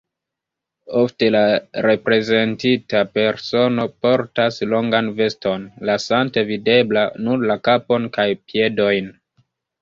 Ofte la reprezentita persono portas longan veston, lasante videbla nur la kapon kaj piedojn.